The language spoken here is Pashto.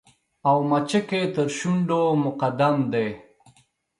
او مچکې تر شونډو مقدم دې